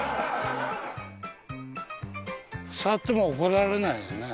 座っても怒られないよね？